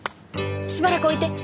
しばらく置いて。